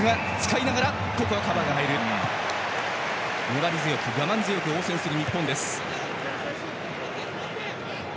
粘り強く、我慢強く応戦する日本です。